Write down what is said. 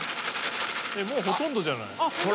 もうほとんどじゃない？